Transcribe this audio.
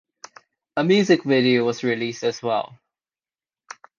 A music video was released as well.